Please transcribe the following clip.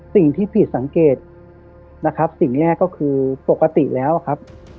สิ่งที่ผิดสังเกตนะครับสิ่งแรกก็คือปกติแล้วครับ